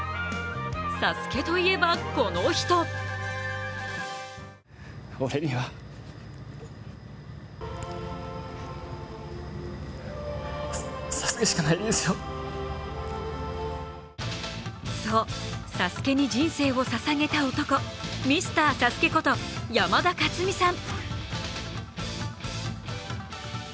「ＳＡＳＵＫＥ」といえば、この人そう「ＳＡＳＵＫＥ」に人生をささげた男、ミスターＳＡＳＵＫＥこと山田勝己さん。